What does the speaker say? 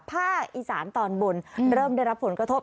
ภาคอีสานตอนบนเริ่มได้รับผลกระทบ